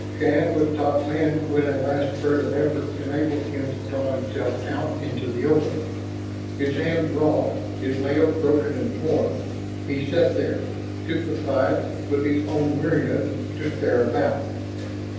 Shann was top man when a last spurt of effort enabled him to draw himself out into the open, his hands raw, his nails broken and torn. He sat there, stupefied with his own weariness, to stare about.